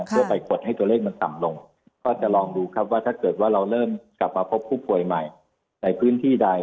เพื่อไปกดให้ตัวเลขมันต่ำลงก็จะลองดูครับว่าถ้าเกิดว่าเราเริ่มกลับมาพบผู้ป่วยใหม่ในพื้นที่ใด